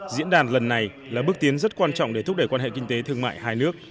diễn đàn lần này là bước tiến rất quan trọng để thúc đẩy quan hệ kinh tế thương mại hai nước